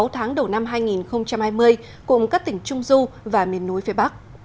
sáu tháng đầu năm hai nghìn hai mươi cùng các tỉnh trung du và miền núi phía bắc